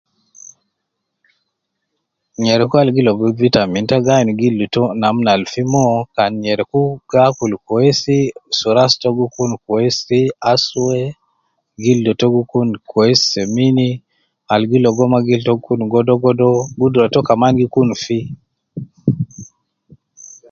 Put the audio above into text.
Nyereku al gi ligo vitamins ta gi ayin gildu to namna al gi mo nyereku gi akulu kwesi, suu ras to gi kun kwesi aswe , gildu gi kun kwesi semini, al gi logo ma gildu to gi kun godo godo ,gudra to kaman gi kun fi